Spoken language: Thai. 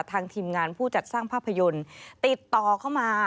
ทีมงานผู้จัดสร้างภาพยนตร์ติดต่อเข้ามา